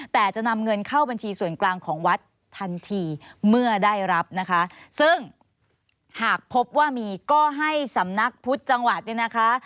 แต่จะนำเงินเข้าบัญชีส่วนกลางของวัดทันทีเมื่อได้รับนะคะซึ่งหากพบว่ามีก็ให้สำนักพุทธจังหวัดเนี่ยนะคะ